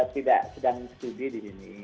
tidak sedang studi di sini